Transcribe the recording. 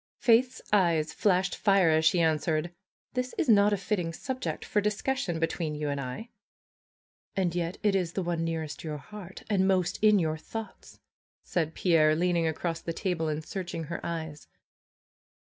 Faith's eyes flashed fire as she answered: ^^This is not a fitting subject for discussion between you and I." ^^And yet it is the one nearest your heart, and most in your ^thoughts!" said Pierre, leaning across the table, and searching her eyes.